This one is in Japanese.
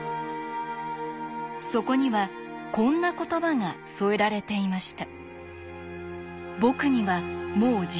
そこにはこんな言葉が添えられていました。